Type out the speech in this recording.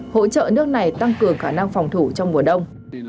hỗ trợ nước này tăng cường khả năng phòng thủ trong mùa đông